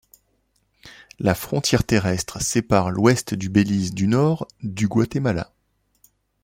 La frontière terrestre sépare l'ouest du Belize du nord du Guatemala.